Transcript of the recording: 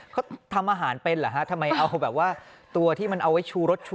เขาทำอาหารเป็นเหรอฮะทำไมเอาแบบว่าตัวที่มันเอาไว้ชูรสชู